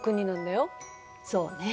そうね。